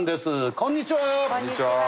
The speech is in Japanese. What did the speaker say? こんにちは！